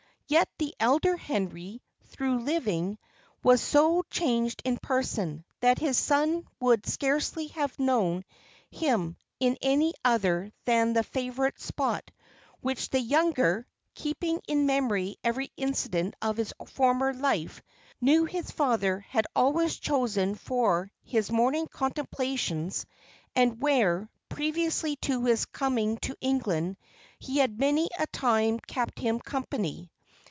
Yet, the elder Henry, though living, was so changed in person, that his son would scarcely have known him in any other than the favourite spot, which the younger (keeping in memory every incident of his former life) knew his father had always chosen for his morning contemplations; and where, previously to his coming to England, he had many a time kept him company.